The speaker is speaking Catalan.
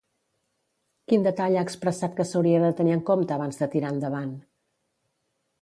Quin detall ha expressat que s'hauria de tenir en compte abans de tirar endavant?